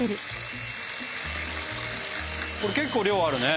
これ結構量あるね。